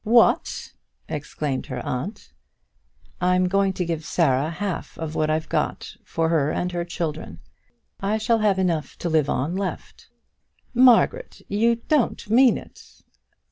"What!" exclaimed her aunt. "I'm going to give Sarah half what I've got, for her and her children. I shall have enough to live on left." "Margaret, you don't mean it?"